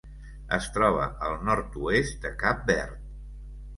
Es troba al nord-oest de Cap Verd.